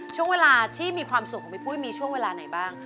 ช่วงเวลาที่มีความสุขของพี่ปุ้ยมีช่วงเวลาไหนบ้าง